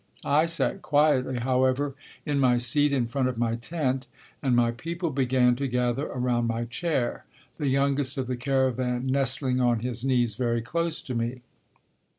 I sat quietly, however, in my seat in front of my tent and my people began to gather around my chair, the youngest of the caravan nestling on his knees very close to me.